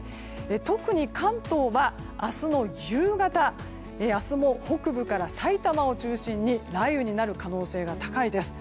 特に関東は明日の夕方明日も北部から埼玉を中心に雷雨になる可能性が高いです。